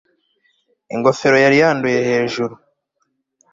ingofero yari yanduye hejuru